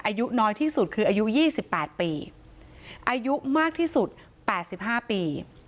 อายุน้อยที่สุดคืออายุ๒๘ปีอายุมากที่สุด๘๕ปี